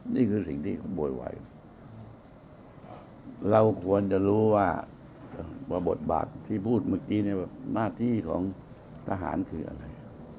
นี่คือสิ่งที่เขาบวยวายเราควรจะรู้ว่าประบดบัติที่พูดเมื่อกี้เนี่ยล่ะหน้าที่ของสหานคืออะไร